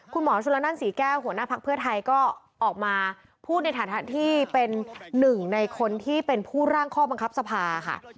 คุณหมอชุลนั่นศรีแก้วหัวหน้าภักดิ์เพื่อไทยก็ออกมาพูดในฐานะที่เป็นหนึ่งในคนที่เป็นผู้ร่างข้อบังคับสภาค่ะ